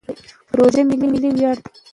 پروژه ملي ویاړ دی.